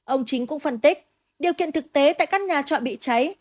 ông chính cũng phân tích điều kiện thực tế tại các nhà trọ bị cháy